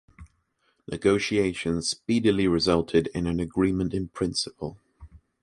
Negotiations speedily resulted in an agreement in principle.